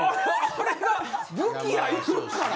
あれが武器や言うから。